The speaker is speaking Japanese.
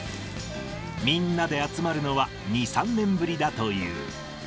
みんなで集まるのは２、３年ぶりだという。